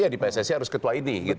ya di pssi harus ketua ini